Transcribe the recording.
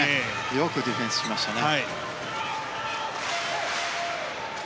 よくディフェンスしましたね。